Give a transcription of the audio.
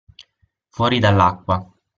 Fuori dall'acqua.